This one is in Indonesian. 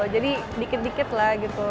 jadi dikit dikit lah gitu